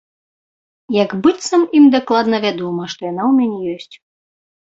Як быццам ім дакладна вядома, што яна ў мяне ёсць.